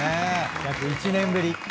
約１年ぶり。